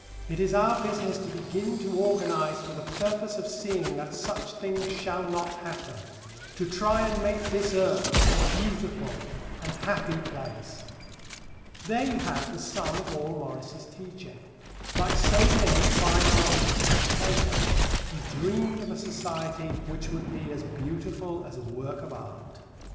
It is our business to begin to organize for the purpose of seeing that such things shall not happen; to try and make this earth a beautiful and happy place. There you have the sum of all Morris's teaching. Like so many fine artists since Plato, he dreamed of a society which would be as beautiful as a work of art.